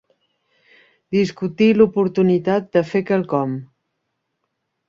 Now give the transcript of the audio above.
Discutir l'oportunitat de fer quelcom.